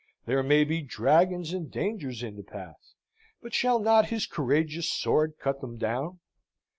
There may be dragons and dangers in the path, but shall not his courageous sword cut them down?